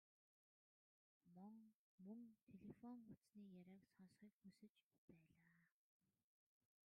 Мөн телефон утасны яриаг сонсохыг хүсэж байлаа.